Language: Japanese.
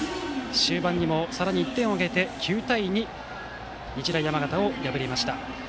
終盤にもさらに１点を挙げて、９対２と日大山形を破りました。